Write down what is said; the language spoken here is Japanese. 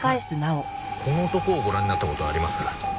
この男をご覧になった事はありますか？